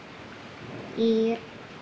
いいえ。